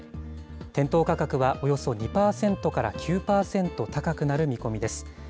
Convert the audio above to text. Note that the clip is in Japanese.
店頭価格は、およそ２％から９％高くなる見込みです。